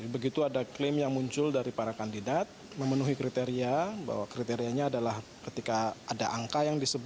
begitu ada klaim yang muncul dari para kandidat memenuhi kriteria bahwa kriterianya adalah ketika ada angka yang disebut